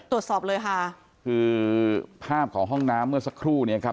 ตรวจสอบเลยค่ะคือภาพของห้องน้ำเมื่อสักครู่เนี่ยครับ